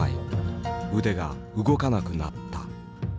腕が動かなくなった。